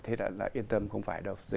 thế là yên tâm không phải đâu